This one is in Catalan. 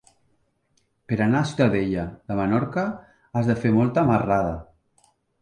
Per anar a Ciutadella de Menorca has de fer molta marrada.